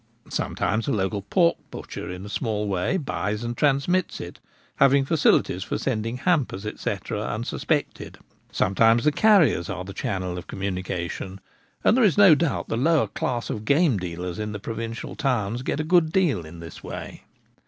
Sometimes a local pork butcher in a small way buys and transmits it, having facilities for sending hampers, &c, unsuspected. Sometimes 1 54 The Gamekeeper at Home. the carriers are the channel of communication ; and there is no doubt the lower class of game dealers in the provincial towns get a good deal in this way.